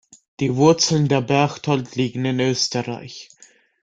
Die Wurzeln der von Berchtold liegen in Österreich.